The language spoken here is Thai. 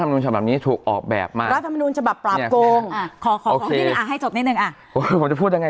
สำหรับนาทีสุดถ้า